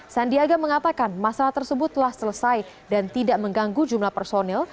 sandiaga mengatakan masalah tersebut telah selesai dan tidak mengganggu jumlah personil